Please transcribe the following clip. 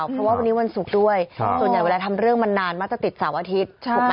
เพราะว่าวันนี้วันศุกร์ด้วยส่วนใหญ่เวลาทำเรื่องมันนานมักจะติดเสาร์อาทิตย์ถูกไหม